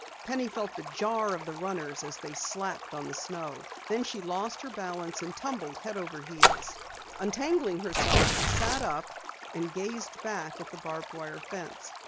Penny felt the jar of the runners as they slapped on the snow. Then she lost her balance and tumbled head over heels. Untangling herself, she sat up and gazed back at the barbed wire fence.